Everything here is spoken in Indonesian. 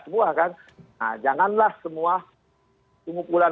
semua kan janganlah semua